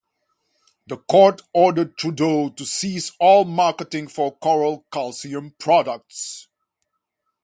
The court ordered Trudeau to cease all marketing for coral calcium products.